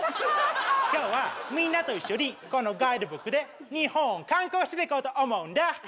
今日はみんなと一緒にこのガイドブックで日本を観光してこうと思うんだ